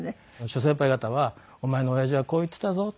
諸先輩方は「お前の親父はこう言ってたぞ」。